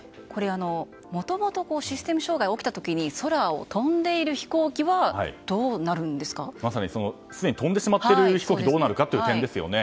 もともと、システム障害が起きた時に空を飛んでいる飛行機はすでに飛んでいる飛行機がどうなるかという点ですよね。